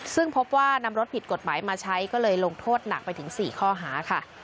ซึ่งพบว่านำรถผิดกฎหมายมาใช้ก็เลยลงโทษหนักไปถึง๔ข้อหาค่ะ